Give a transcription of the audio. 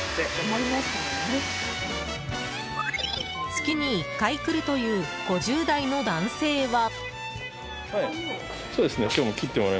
月に１回来るという５０代の男性は。